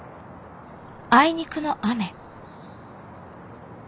あいにくの雨。